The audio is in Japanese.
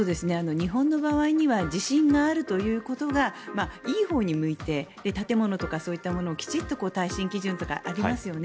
日本の場合には地震があるということがいいほうに向いて建物とかそういうものきちんと耐震基準とかありますよね。